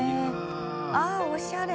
あっおしゃれ！